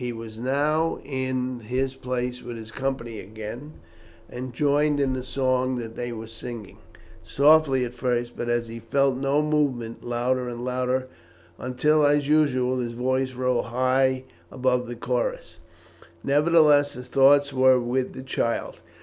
He was now in his place with his company again, and joined in the song that they were singing, softly at first, but, as he felt no movement, louder and louder until, as usual, his voice rose high above the chorus. Nevertheless, his thoughts were with the child.